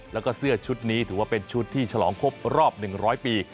แล้วก็เสื้อชุดนี้ถือว่าเป็นชุดที่ฉลองครบรอบ๑๐๐ปี